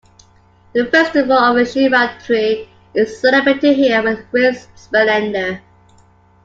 The festival of Shivratri is celebrated here with great splendor.